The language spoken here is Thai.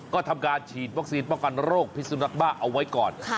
ก็ทำการฉีดวัคซีนป้องกันโรคพิสุนักบ้าเอาไว้ก่อน